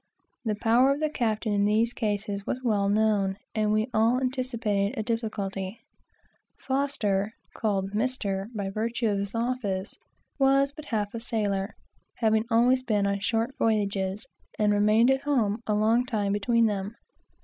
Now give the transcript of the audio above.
The power of the captain in these cases was well known, and we all anticipated a difficulty. F (called Mr. by virtue of his office) was but half a sailor, having always been short voyages and remained at home a long time between them.